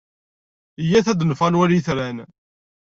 Iyyat ad neffeɣ ad nwali itran.